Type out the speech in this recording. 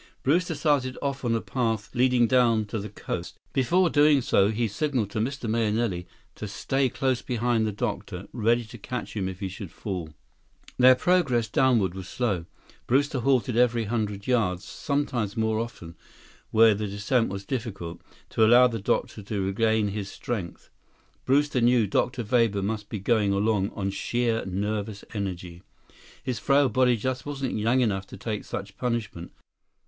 Brewster started off on a path leading down to the coast. Before doing so, he signaled to Mr. Mahenili to stay close behind the doctor, ready to catch him if he should fall. 159 Their progress downward was slow. Brewster halted every hundred yards, sometimes more often where the descent was difficult, to allow the doctor to regain his strength. Brewster knew Dr. Weber must be going along on sheer nervous energy. His frail body just wasn't young enough to take such punishment.